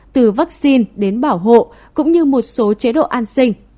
từ vaccine đến bảo hộ cũng như một số chế độ an sinh